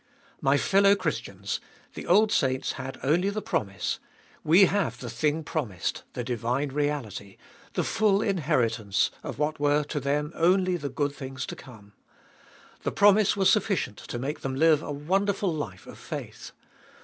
My fellow Christians, the old saints had only the promise ; we have the thing promised, the divine reality, the full inherit ance of what were to them only the good things to come. The promise was sufficient to make them live a wonderful life of faith.